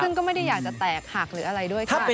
ซึ่งก็ไม่ได้อยากจะแตกหักหรืออะไรด้วยค่ะ